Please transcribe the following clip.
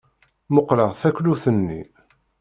Mmuqqleɣ taklut-nni.